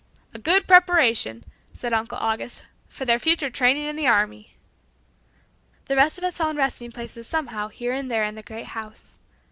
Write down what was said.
"A good preparation," said Uncle August, "for their future training in the army." The rest of us found resting places somehow here and there in the great house.